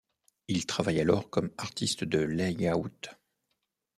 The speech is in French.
Il travaille alors comme artiste de layout.